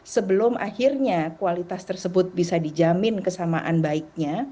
sebelum akhirnya kualitas tersebut bisa dijamin kesamaan baiknya